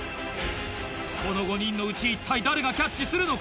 この５人のうち一体誰がキャッチするのか？